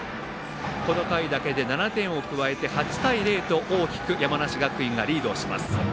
この回だけで、７点を加えて８対０と大きく山梨学院がリードします。